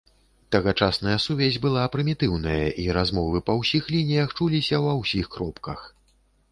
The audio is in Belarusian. Тагачасная сувязь была прымітыўная, і размовы па ўсіх лініях чуліся ва ўсіх кропках.